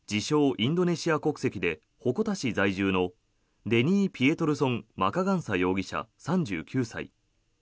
・インドネシア国籍で鉾田市在住のデニー・ピエトルソン・マカガンサ容疑者、３９歳。